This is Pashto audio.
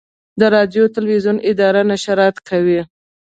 د راډیو تلویزیون اداره نشرات کوي